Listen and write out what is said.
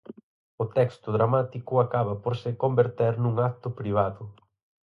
O texto dramático acaba por se converter nun acto privado.